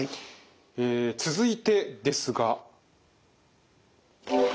え続いてですが。